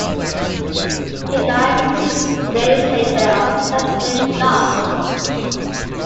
He died six days later of septic shock.